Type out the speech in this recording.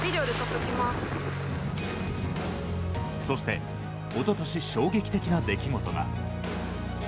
そして、おととし衝撃的な出来事が。